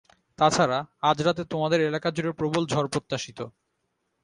তা ছাড়া, আজ রাতে তোমাদের এলাকা জুড়ে প্রবল ঝড় প্রত্যাশিত।